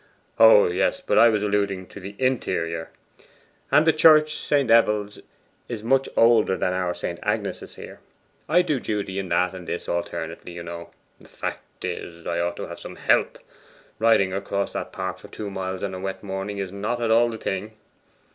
'Oh yes; but I was alluding to the interior. And the church St. Eval's is much older than our St. Agnes' here. I do duty in that and this alternately, you know. The fact is, I ought to have some help; riding across that park for two miles on a wet morning is not at all the thing.